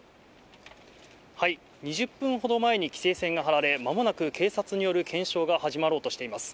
２０分ほど前に規制線が張られ、まもなく警察による検証が始まろうとしています。